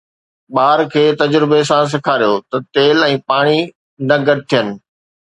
ٻار کي تجربي سان سيکاريو ته تيل ۽ پاڻي نه گڏ ٿين